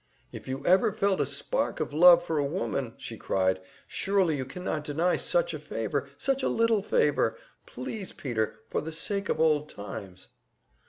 "If you ever felt a spark of love for a woman," she cried, "surely you cannot deny such a favor such a little favor! Please, Peter, for the sake of old times!"